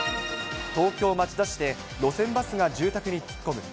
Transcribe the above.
東京・町田市で、路線バスが住宅に突っ込む。